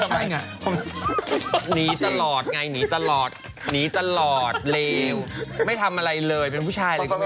ใช่ไงหนีตลอดไงหนีตลอดหนีตลอดเลวไม่ทำอะไรเลยเป็นผู้ชายเลยก็ไม่